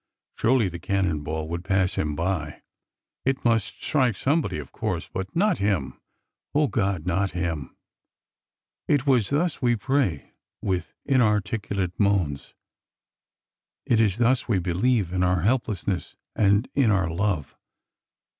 Surely the cannon ball would pass him by! It must strike somebody, of course,— but not him! O God, not him! It is thus we pray, with inarticulate moans. It is thus we believe, in our helplessness and in our love.